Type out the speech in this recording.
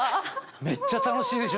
めっちゃ楽しいでしょ？